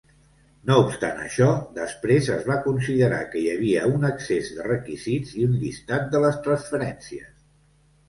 No obstant això, després es va considerar que hi havia un excés de requisits i un llistat de les transferències.